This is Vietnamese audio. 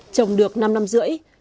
trồng được năm năm rưỡi